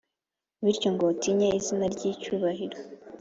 bityo ngo utinye izina ry’icyubahiro